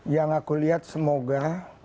yang aku lihat semoga